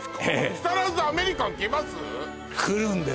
木更津アメリカンきます？